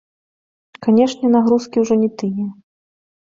Канечне, нагрузкі ўжо не тыя.